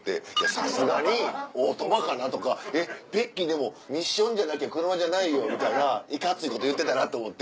さすがにオートマかなとかベッキーでもミッションじゃなきゃ車じゃないよみたいないかついこと言うてたなと思って。